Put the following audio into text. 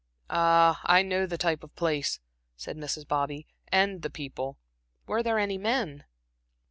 "Ah, I know the type of place," said Mrs. Bobby "and the people. Were there any men?"